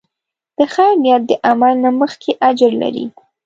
د خیر نیت د عمل نه مخکې اجر لري.